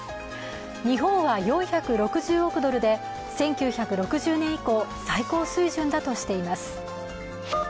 日本は４６０億ドルで１９６０年以降、最高水準だとしています。